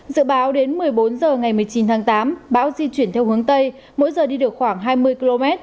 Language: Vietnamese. dự báo đến một mươi bốn h ngày một mươi chín tháng tám bão di chuyển theo hướng tây mỗi giờ đi được khoảng hai mươi km